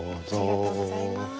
ありがとうございます。